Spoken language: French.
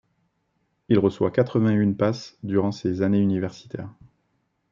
Il reçoit quatre-vingt-et-une passe durant ces années universitaires.